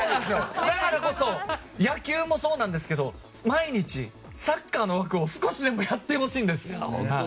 だからこそ野球もそうなんですけど毎日、サッカーの枠を少しでもやってほしいんです。